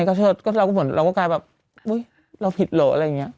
ก็เชิดก็เราก็เหมือนเราก็กลายแบบอุ๊ยเราผิดเหรออะไรอย่างนี้